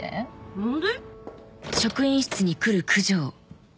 何で？